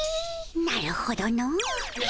なるほどの。